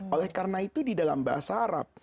oleh karena itu di dalam bahasa arab